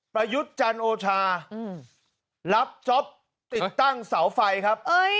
ยุทธ์จันโอชารับจ๊อปติดตั้งเสาไฟครับ